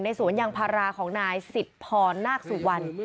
สวนยางพาราของนายสิทธิพรนาคสุวรรณ